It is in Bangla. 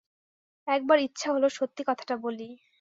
একবার ইচ্ছা হল সত্যি কথাটা বলি।